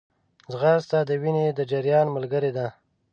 ځغاسته د وینې د جریان ملګری ده